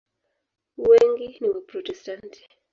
Wengi ni Waprotestanti.